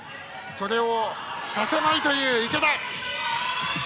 それをさせないという池田。